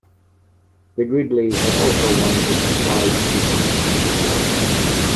The Gridley had also won the Supply Efficiency Award.